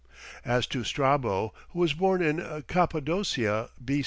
As to Strabo, who was born in Cappadocia B.